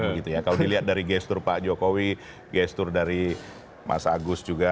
kalau dilihat dari gestur pak jokowi gestur dari mas agus juga